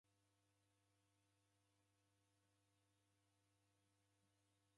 Sibonyagha zoghori na w'andu w'a mikalo.